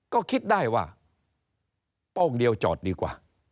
ก็คิดได้ว่าโป้งเดียวจอดดีกว่า